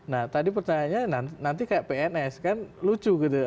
nah tadi pertanyaannya nanti kayak pns kan lucu gitu